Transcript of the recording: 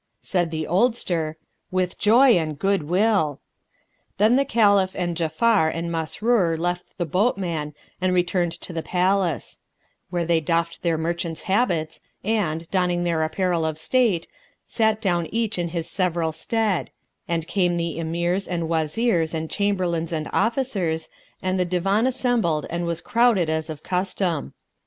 Said the oldster, "With joy and good will!" Then the Caliph and Ja'afar and Masrur left the boatman and returned to the palace; where they doffed their merchants' habits and, donning their apparel of state, sat down each in his several stead; and came the Emirs and Wazirs and Chamberlains and Officers, and the Divan assembled and was crowded as of custom.